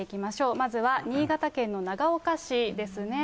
まずは新潟県の長岡市ですね。